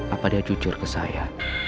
apa dia jujur ke saya